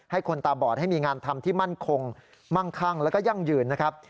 คนตาบอดให้มีงานทำที่มั่นคงมั่งคั่งแล้วก็ยั่งยืนนะครับ